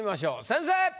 先生！